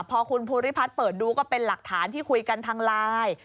พอคุณภูริพัฒน์เปิดดูก็เป็นหลักฐานที่คุยกันทางไลน์